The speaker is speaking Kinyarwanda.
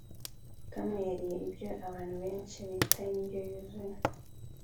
tom yariye ibyo abantu benshi bita indyo yuzuye